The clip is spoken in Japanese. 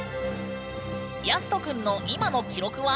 やすと君の今の記録は？